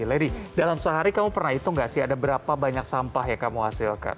lady dalam sehari kamu pernah hitung nggak sih ada berapa banyak sampah yang kamu hasilkan